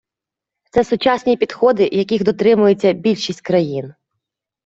Це сучасні підходи, яких дотримується більшість країн.